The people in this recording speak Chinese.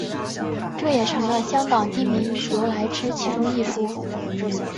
这也成了香港地名由来之其中一说。